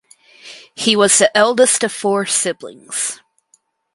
He was the eldest of four siblings.